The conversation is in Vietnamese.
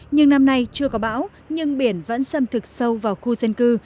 nhưng năm nay chưa có bão nhưng biển vẫn xâm thực sâu vào khu dân cư